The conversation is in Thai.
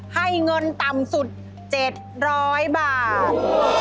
ให้เงินต่ำสุด๗๐๐บาท